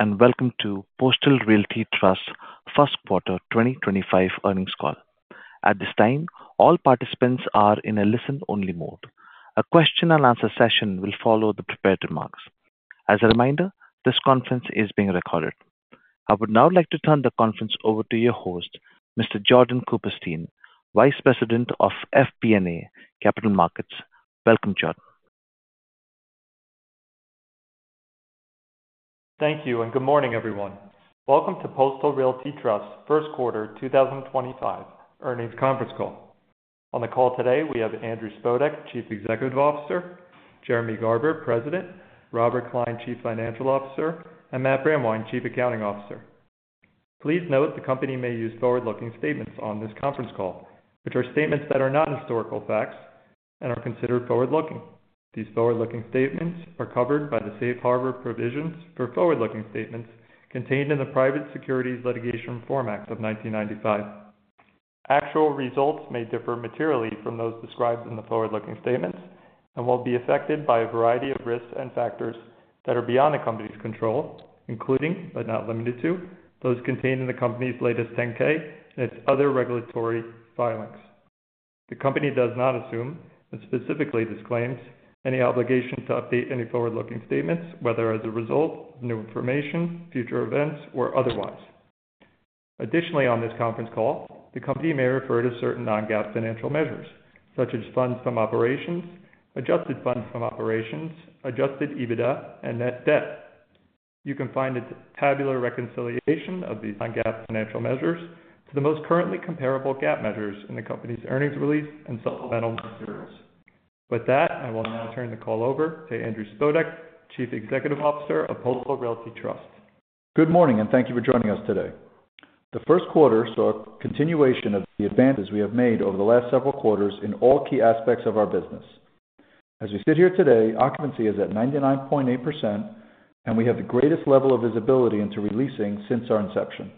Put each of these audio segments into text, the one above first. Welcome to Postal Realty Trust first quarter 2025 earnings call. At this time, all participants are in a listen-only mode. A question-and-answer session will follow the prepared remarks. As a reminder, this conference is being recorded. I would now like to turn the conference over to your host, Mr. Jordan Cooperstein, Vice President of FP&A and Capital Markets. Welcome, Jordan. Thank you, and good morning, everyone. Welcome to Postal Realty Trust First quarter 2025 earnings conference call. On the call today, we have Andrew Spodek, Chief Executive Officer; Jeremy Garber, President; Robert Klein, Chief Financial Officer; and Matt Brandwein, Chief Accounting Officer. Please note the company may use forward-looking statements on this conference call, which are statements that are not historical facts and are considered forward-looking. These forward-looking statements are covered by the Safe Harbor provisions for forward-looking statements contained in the Private Securities Litigation Reform Act of 1995. Actual results may differ materially from those described in the forward-looking statements and will be affected by a variety of risks and factors that are beyond the company's control, including but not limited to those contained in the company's latest 10-K and its other regulatory filings. The company does not assume and specifically disclaims any obligation to update any forward-looking statements, whether as a result of new information, future events, or otherwise. Additionally, on this conference call, the company may refer to certain non-GAAP financial measures, such as funds from operations, adjusted funds from operations, adjusted EBITDA, and net debt. You can find a tabular reconciliation of these non-GAAP financial measures to the most currently comparable GAAP measures in the company's earnings release and supplemental materials. With that, I will now turn the call over to Andrew Spodek, Chief Executive Officer of Postal Realty Trust. Good morning, and thank you for joining us today. The first quarter saw a continuation of the advances we have made over the last several quarters in all key aspects of our business. As we sit here today, occupancy is at 99.8%, and we have the greatest level of visibility into re-leasing since our inception.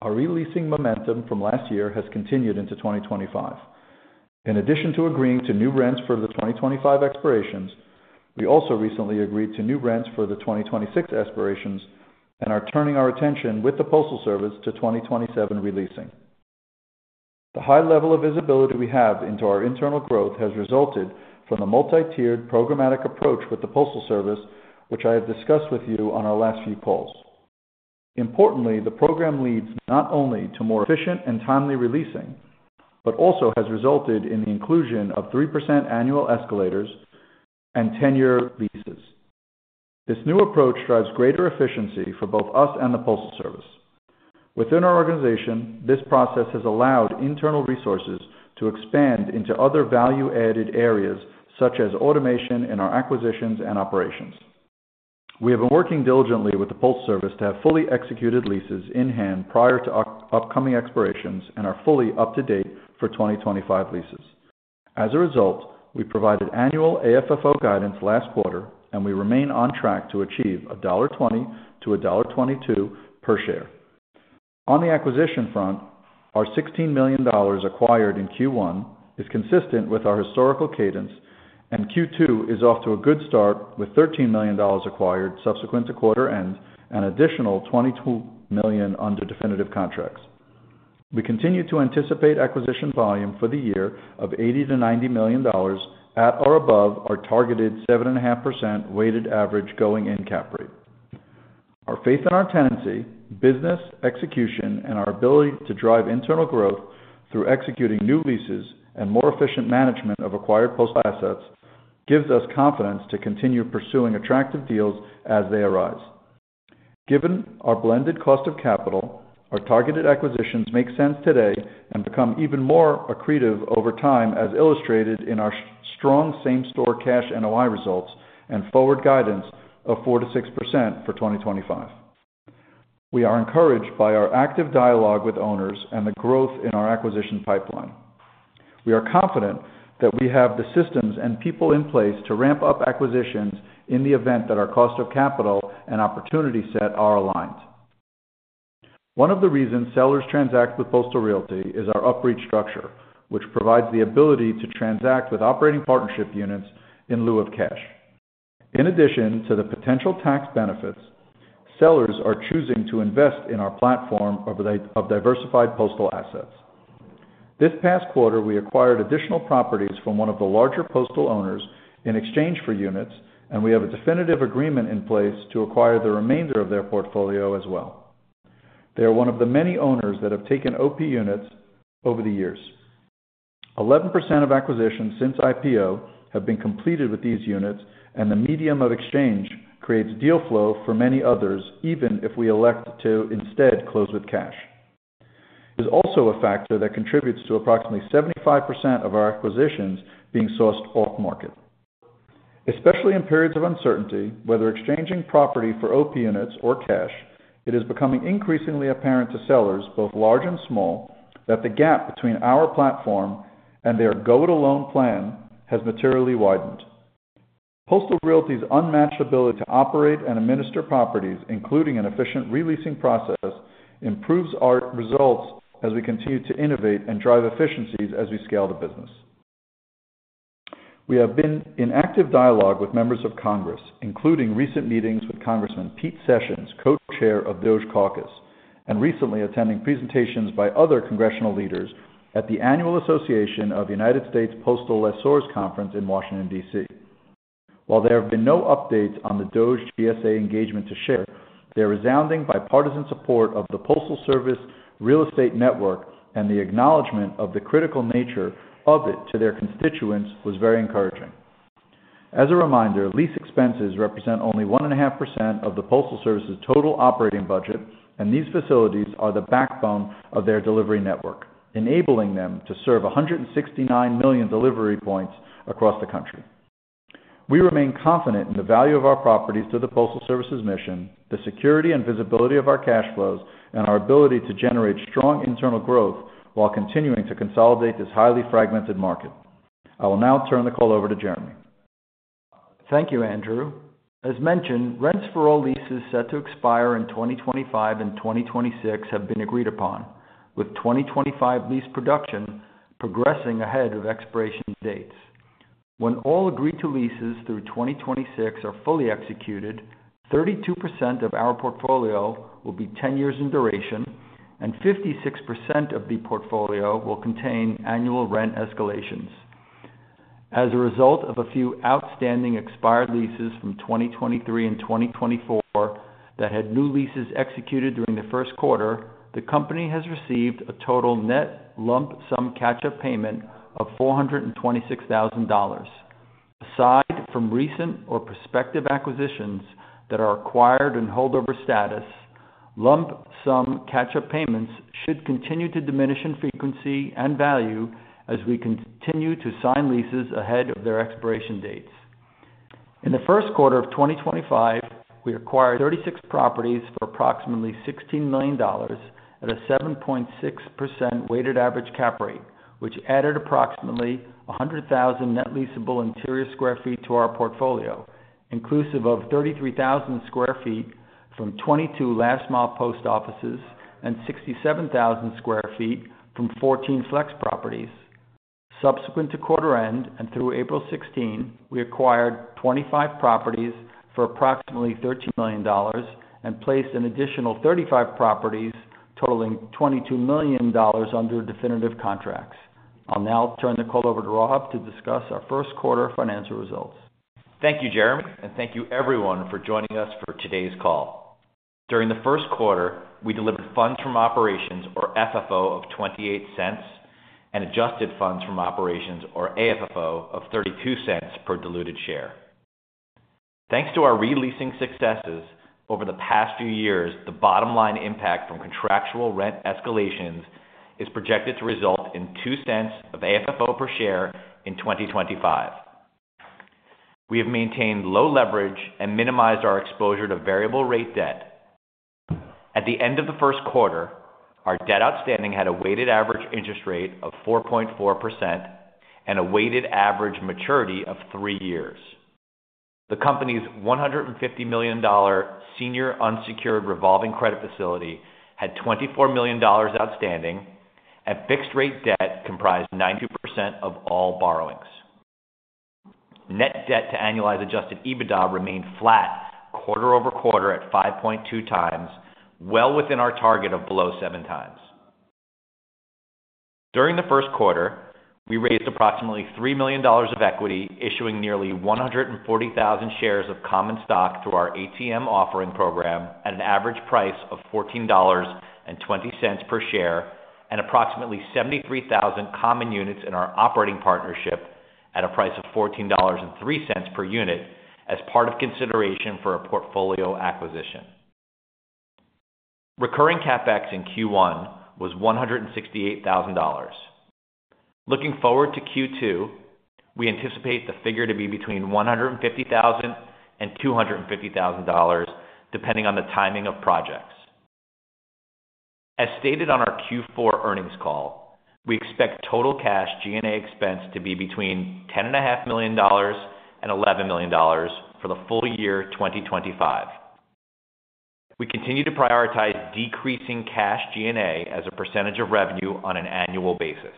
Our re-leasing momentum from last year has continued into 2025. In addition to agreeing to new rents for the 2025 expirations, we also recently agreed to new rents for the 2026 expirations and are turning our attention with the Postal Service to 2027 releasing. The high level of visibility we have into our internal growth has resulted from the multi-tiered programmatic approach with the Postal Service, which I have discussed with you on our last few calls. Importantly, the program leads not only to more efficient and timely re-leasing but also has resulted in the inclusion of 3% annual escalators in ten-year leases. This new approach drives greater efficiency for both us and the Postal Service. Within our organization, this process has allowed internal resources to expand into other value-added areas such as automation in our acquisitions and operations. We have been working diligently with the Postal Service to have fully executed leases in hand prior to upcoming expirations and are fully up to date for 2025 leases. As a result, we provided annual AFFO guidance last quarter, and we remain on track to achieve $1.20-$1.22 per share. On the acquisition front, our $16 million acquired in Q1 is consistent with our historical cadence, and Q2 is off to a good start with $13 million acquired subsequent to quarter end and additional $22 million under definitive contracts. We continue to anticipate acquisition volume for the year of $80-$90 million at or above our targeted 7.5% weighted average going-in cap rate. Our faith in our tenancy, business execution, and our ability to drive internal growth through executing new leases and more efficient management of acquired Postal assets gives us confidence to continue pursuing attractive deals as they arise. Given our blended cost of capital, our targeted acquisitions make sense today and become even more accretive over time, as illustrated in our strong same-store cash NOI results and forward guidance of 4-6% for 2025. We are encouraged by our active dialogue with owners and the growth in our acquisition pipeline. We are confident that we have the systems and people in place to ramp up acquisitions in the event that our cost of capital and opportunity set are aligned. One of the reasons sellers transact with Postal Realty is our UPREIT structure, which provides the ability to transact with operating partnership units in lieu of cash. In addition to the potential tax benefits, sellers are choosing to invest in our platform of diversified Postal assets. This past quarter, we acquired additional properties from one of the larger Postal owners in exchange for units, and we have a definitive agreement in place to acquire the remainder of their portfolio as well. They are one of the many owners that have taken OP units over the years. 11% of acquisitions since IPO have been completed with these units, and the medium of exchange creates deal flow for many others, even if we elect to instead close with cash. It is also a factor that contributes to approximately 75% of our acquisitions being sourced off-market. Especially in periods of uncertainty, whether exchanging property for OP units or cash, it is becoming increasingly apparent to sellers, both large and small, that the gap between our platform and their go-it-alone plan has materially widened. Postal Realty's unmatched ability to operate and administer properties, including an efficient re-leasing process, improves our results as we continue to innovate and drive efficiencies as we scale the business. We have been in active dialogue with members of Congress, including recent meetings with Congressman Pete Sessions, co-chair of DOGE Caucus, and recently attending presentations by other congressional leaders at the annual Association of United States Postal Lessors Conference in Washington, D.C. While there have been no updates on the DOGE GSA engagement to share, their resounding bipartisan support of the Postal Service real estate network and the acknowledgment of the critical nature of it to their constituents was very encouraging. As a reminder, lease expenses represent only 1.5% of the Postal Service's total operating budget, and these facilities are the backbone of their delivery network, enabling them to serve 169 million delivery points across the country. We remain confident in the value of our properties to the Postal Service's mission, the security and visibility of our cash flows, and our ability to generate strong internal growth while continuing to consolidate this highly fragmented market. I will now turn the call over to Jeremy. Thank you, Andrew. As mentioned, rents for all leases set to expire in 2025 and 2026 have been agreed upon, with 2025 lease production progressing ahead of expiration dates. When all agreed-to leases through 2026 are fully executed, 32% of our portfolio will be 10 years in duration, and 56% of the portfolio will contain annual rent escalations. As a result of a few outstanding expired leases from 2023 and 2024 that had new leases executed during the first quarter, the company has received a total net lump sum catch-up payment of $426,000. Aside from recent or prospective acquisitions that are acquired in holdover status, lump sum catch-up payments should continue to diminish in frequency and value as we continue to sign leases ahead of their expiration dates. In the first quarter of 2025, we acquired 36 properties for approximately $16 million at a 7.6% weighted average cap rate, which added approximately 100,000 net leasable interior sq ft to our portfolio, inclusive of 33,000 sq ft from 22 last-mile post offices and 67,000 sq ft from 14 flex properties. Subsequent to quarter end and through April 16, we acquired 25 properties for approximately $13 million and placed an additional 35 properties totaling $22 million under definitive contracts. I'll now turn the call over to Rob to discuss our first quarter financial results. Thank you, Jeremy, and thank you everyone for joining us for today's call. During the first quarter, we delivered funds from operations, or FFO, of $0.28 and adjusted funds from operations, or AFFO, of $0.32 per diluted share. Thanks to our re-leasing successes over the past few years, the bottom-line impact from contractual rent escalations is projected to result in $0.02 of AFFO per share in 2025. We have maintained low leverage and minimized our exposure to variable-rate debt. At the end of the first quarter, our debt outstanding had a weighted average interest rate of 4.4% and a weighted average maturity of 3 years. The company's $150 million senior unsecured revolving credit facility had $24 million outstanding, and fixed-rate debt comprised 92% of all borrowings. Net debt to annualized adjusted EBITDA remained flat quarter over quarter at 5.2 times, well within our target of below 7 times. During the first quarter, we raised approximately $3 million of equity, issuing nearly 140,000 shares of common stock through our ATM offering program at an average price of $14.20 per share and approximately 73,000 common units in our operating partnership at a price of $14.03 per unit as part of consideration for a portfolio acquisition. Recurring capex in Q1 was $168,000. Looking forward to Q2, we anticipate the figure to be between $150,000 and $250,000, depending on the timing of projects. As stated on our Q4 earnings call, we expect total cash G&A expense to be between $10.5 million and $11 million for the full year 2025. We continue to prioritize decreasing cash G&A as a percentage of revenue on an annual basis.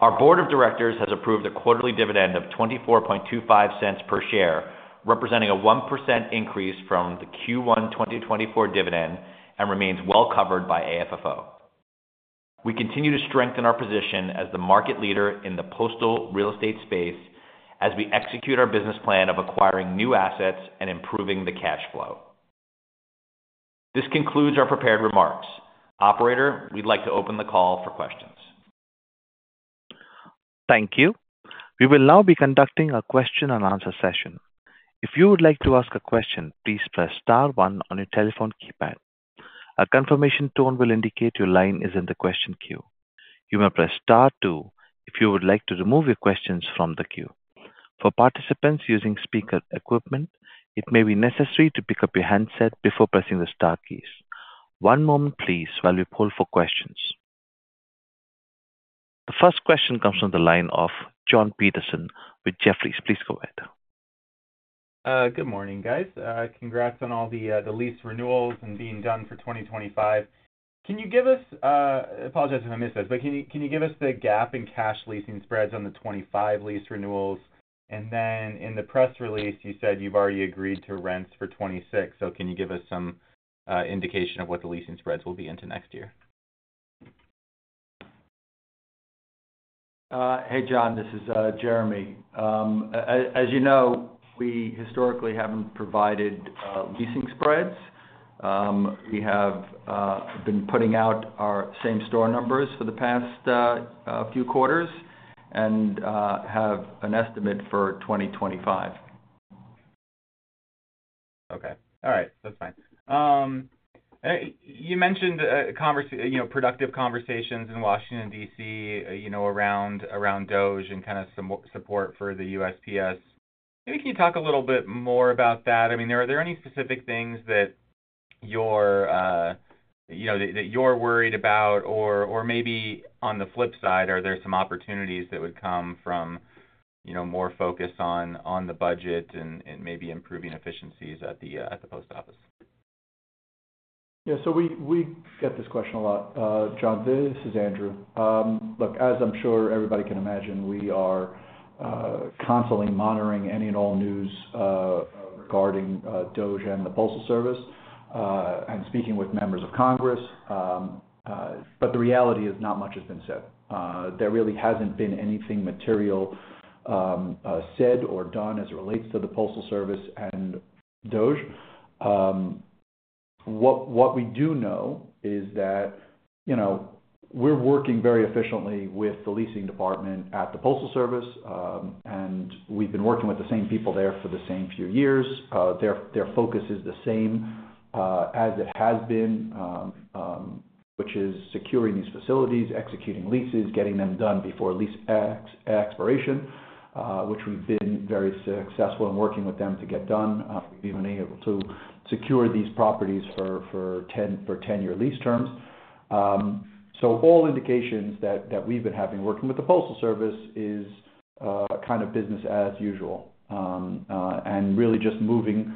Our board of directors has approved a quarterly dividend of $0.2425 per share, representing a 1% increase from the Q1 2024 dividend and remains well covered by AFFO. We continue to strengthen our position as the market leader in the postal real estate space as we execute our business plan of acquiring new assets and improving the cash flow. This concludes our prepared remarks. Operator, we'd like to open the call for questions. Thank you. We will now be conducting a question-and-answer session. If you would like to ask a question, please press star 1 on your telephone keypad. A confirmation tone will indicate your line is in the question queue. You may press star 2 if you would like to remove your questions from the queue. For participants using speaker equipment, it may be necessary to pick up your handset before pressing the star keys. One moment, please, while we poll for questions. The first question comes from the line of Jon Petersen with Jefferies. Please go ahead. Good morning, guys. Congrats on all the lease renewals and being done for 2025. Can you give us—apologize if I missed this—but can you give us the gap in cash leasing spreads on the 2025 lease renewals? In the press release, you said you've already agreed to rents for 2026. Can you give us some indication of what the leasing spreads will be into next year? Hey, Jon. This is Jeremy. As you know, we historically haven't provided leasing spreads. We have been putting out our same-store numbers for the past few quarters and have an estimate for 2025. Okay. All right. That's fine. You mentioned productive conversations in Washington, D.C. around DOGE and kind of some support for the USPS. Maybe can you talk a little bit more about that? I mean, are there any specific things that you're worried about? Or maybe on the flip side, are there some opportunities that would come from more focus on the budget and maybe improving efficiencies at the post office? Yeah. We get this question a lot. Jon, this is Andrew. Look, as I'm sure everybody can imagine, we are constantly monitoring any and all news regarding DOGE and the Postal Service and speaking with members of Congress. The reality is not much has been said. There really hasn't been anything material said or done as it relates to the Postal Service and DOGE. What we do know is that we're working very efficiently with the leasing department at the Postal Service, and we've been working with the same people there for the same few years. Their focus is the same as it has been, which is securing these facilities, executing leases, getting them done before lease expiration, which we've been very successful in working with them to get done. We've even been able to secure these properties for 10-year lease terms. All indications that we've been having working with the Postal Service is kind of business as usual and really just moving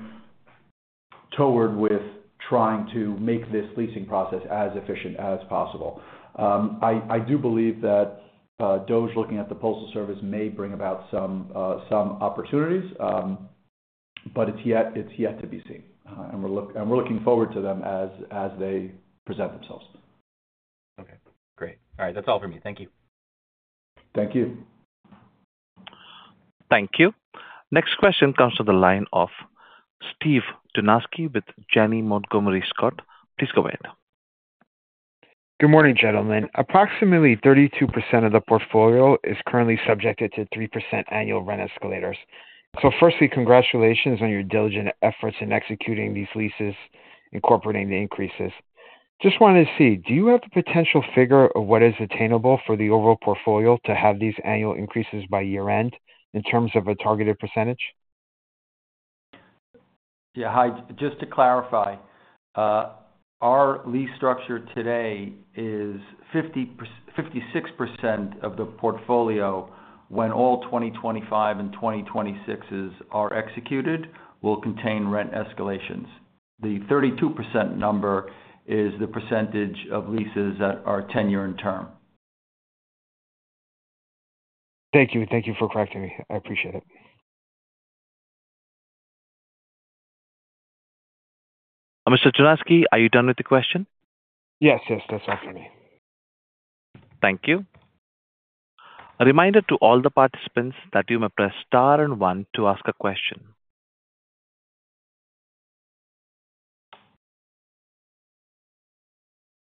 forward with trying to make this leasing process as efficient as possible. I do believe that DOGE, looking at the Postal Service, may bring about some opportunities, but it's yet to be seen. And we're looking forward to them as they present themselves. Okay. Great. All right. That's all for me. Thank you. Thank you. Thank you. Next question comes from the line of Steve Dumanski with Janney Montgomery Scott. Please go ahead. Good morning, gentlemen. Approximately 32% of the portfolio is currently subjected to 3% annual rent escalators. Firstly, congratulations on your diligent efforts in executing these leases incorporating the increases. I just wanted to see, do you have a potential figure of what is attainable for the overall portfolio to have these annual increases by year-end in terms of a targeted percentage? Yeah. Hi. Just to clarify, our lease structure today is 56% of the portfolio when all 2025 and 2026s are executed will contain rent escalations. The 32% number is the percentage of leases that are 10-year in term. Thank you. Thank you for correcting me. I appreciate it. Mr. Dumanski, are you done with the question? Yes. Yes. That's all for me. Thank you. A reminder to all the participants that you may press Star and 1 to ask a question.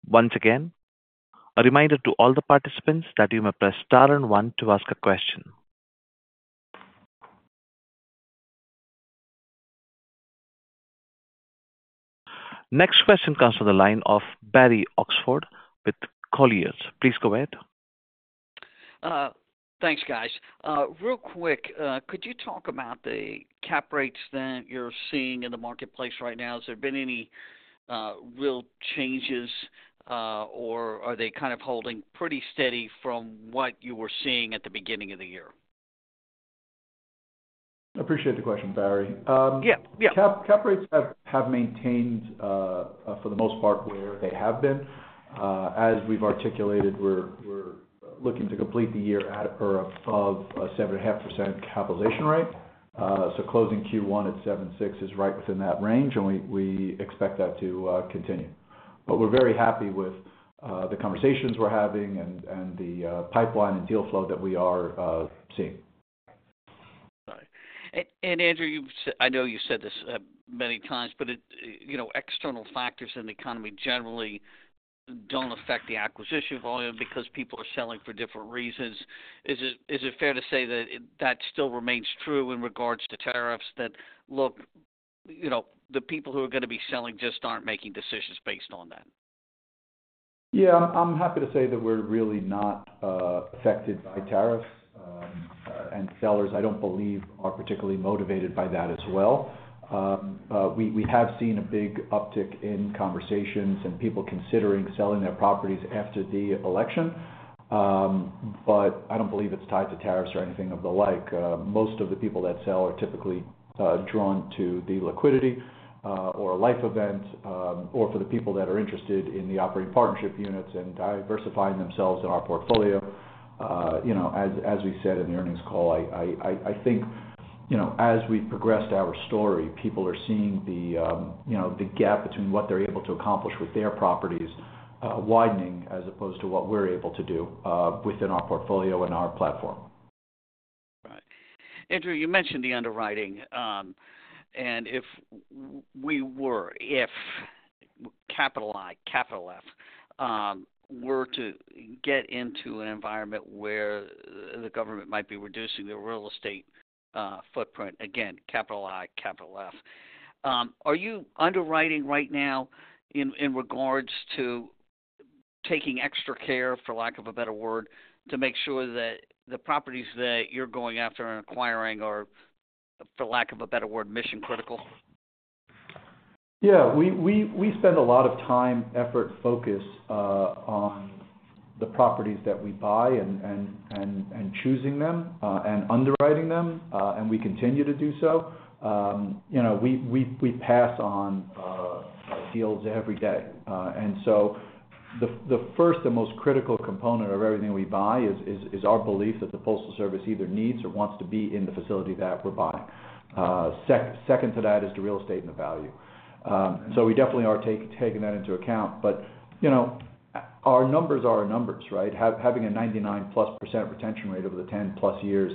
Once again, a reminder to all the participants that you may press Star and 1 to ask a question. Next question comes from the line of Barry Oxford with Colliers. Please go ahead. Thanks, guys. Real quick, could you talk about the cap rates that you're seeing in the marketplace right now? Has there been any real changes, or are they kind of holding pretty steady from what you were seeing at the beginning of the year? I appreciate the question, Barry. Yeah. Yeah. Cap rates have maintained for the most part where they have been. As we've articulated, we're looking to complete the year at or above a 7.5% capitalization rate. Closing Q1 at 7.6% is right within that range, and we expect that to continue. We're very happy with the conversations we're having and the pipeline and deal flow that we are seeing. Andrew, I know you've said this many times, but external factors in the economy generally don't affect the acquisition volume because people are selling for different reasons. Is it fair to say that that still remains true in regards to tariffs, that, look, the people who are going to be selling just aren't making decisions based on that? Yeah. I'm happy to say that we're really not affected by tariffs, and sellers, I don't believe, are particularly motivated by that as well. We have seen a big uptick in conversations and people considering selling their properties after the election, but I don't believe it's tied to tariffs or anything of the like. Most of the people that sell are typically drawn to the liquidity or life event or for the people that are interested in the operating partnership units and diversifying themselves in our portfolio. As we said in the earnings call, I think as we've progressed our story, people are seeing the gap between what they're able to accomplish with their properties widening as opposed to what we're able to do within our portfolio and our platform. Right. Andrew, you mentioned the underwriting, and if we were, if capital I, capital F, were to get into an environment where the government might be reducing their real estate footprint, again, capital I, capital F, are you underwriting right now in regards to taking extra care, for lack of a better word, to make sure that the properties that you're going after and acquiring are, for lack of a better word, mission-critical? Yeah. We spend a lot of time, effort, focus on the properties that we buy and choosing them and underwriting them, and we continue to do so. We pass on deals every day. The first and most critical component of everything we buy is our belief that the Postal Service either needs or wants to be in the facility that we're buying. Second to that is the real estate and the value. We definitely are taking that into account. Our numbers are our numbers, right? Having a 99% plus retention rate over the 10-plus years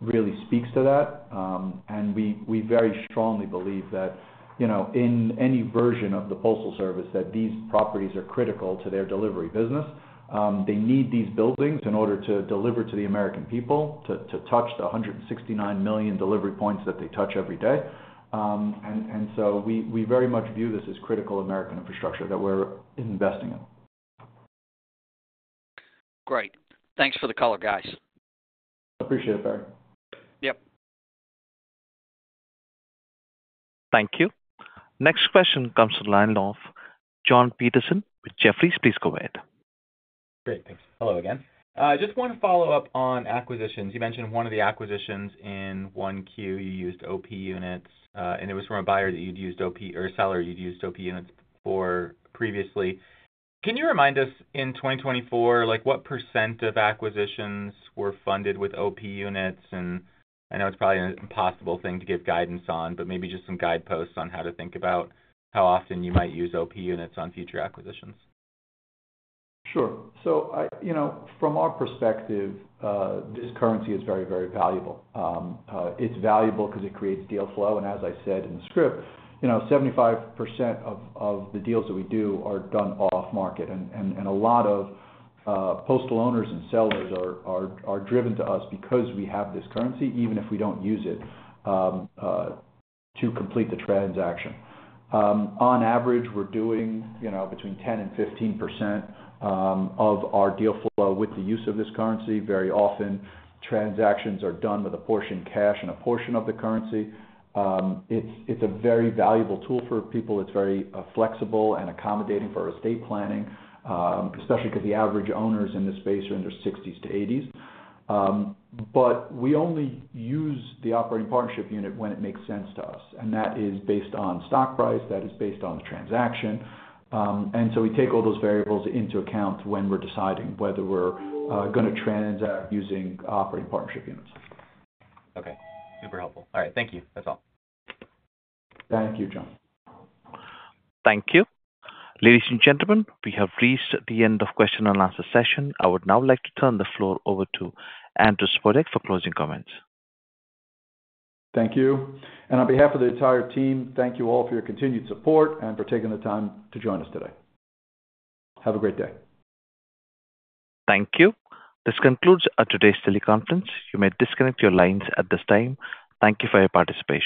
really speaks to that. We very strongly believe that in any version of the Postal Service these properties are critical to their delivery business. They need these buildings in order to deliver to the American people, to touch the 169 million delivery points that they touch every day. We very much view this as critical American infrastructure that we're investing in. Great. Thanks for the call, guys. Appreciate it, Barry. Yep. Thank you. Next question comes from the line of Jon Petersen with Jefferies. Please go ahead. Great. Thanks. Hello again. Just want to follow up on acquisitions. You mentioned one of the acquisitions in Q1, you used OP units, and it was from a seller you'd used OP units for previously. Can you remind us in 2024, what % of acquisitions were funded with OP units? I know it's probably an impossible thing to give guidance on, but maybe just some guideposts on how to think about how often you might use OP units on future acquisitions. Sure. From our perspective, this currency is very, very valuable. It's valuable because it creates deal flow. As I said in the script, 75% of the deals that we do are done off-market. A lot of Postal owners and sellers are driven to us because we have this currency, even if we don't use it to complete the transaction. On average, we're doing between 10% and 15% of our deal flow with the use of this currency. Very often, transactions are done with a portion cash and a portion of the currency. It's a very valuable tool for people. It's very flexible and accommodating for estate planning, especially because the average owners in this space are in their 60s to 80s. We only use the operating partnership unit when it makes sense to us. That is based on stock price. That is based on the transaction. We take all those variables into account when we're deciding whether we're going to transact using operating partnership units. Okay. Super helpful. All right. Thank you. That's all. Thank you, Jon. Thank you. Ladies and gentlemen, we have reached the end of the question and answer session. I would now like to turn the floor over to Andrew Spodek for closing comments. Thank you. On behalf of the entire team, thank you all for your continued support and for taking the time to join us today. Have a great day. Thank you. This concludes today's teleconference. You may disconnect your lines at this time. Thank you for your participation.